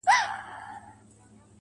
زنګ وهلی د خوشال د توري شرنګ یم.